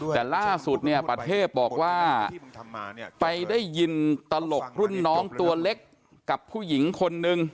แต่ล่าสุดเนี่ยประเทพบอกว่าไปได้ยินตลกรุ่นน้องตัวเล็กกับผู้หญิงคนนึง